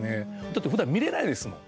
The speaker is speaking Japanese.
だって、ふだん見れないですもん。